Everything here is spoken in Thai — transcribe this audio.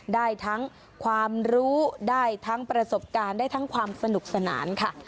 ได้ทั้งความรู้ได้ทั้งประสบการณ์ได้ทั้งความสนุกสนานค่ะ